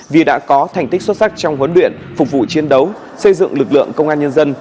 vì đã có thành tích xuất sắc trong huấn luyện phục vụ chiến đấu xây dựng lực lượng công an nhân dân